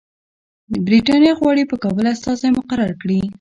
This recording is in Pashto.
برټانیه غواړي په کابل استازی مقرر کړي.